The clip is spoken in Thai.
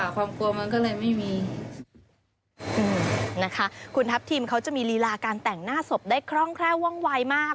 คุณทัพทีมเขาจะมีลีลาการแต่งหน้าศพได้คร่องแคร่ว่องวายมาก